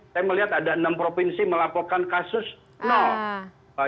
saya melihat ada enam provinsi melaporkan kasus nol